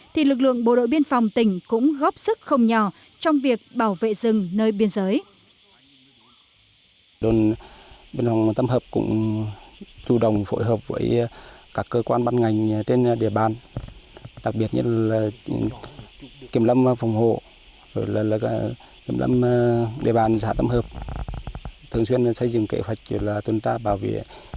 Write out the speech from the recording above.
thì lực lượng bộ đội biên phòng tỉnh cũng góp sức không nhỏ trong việc bảo vệ rừng nơi biên giới